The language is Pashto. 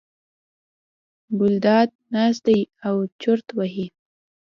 ګلداد ناست دی او چورت وهي.